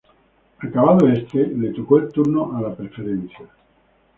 Acabado este, le tocó el turno a la Preferencia.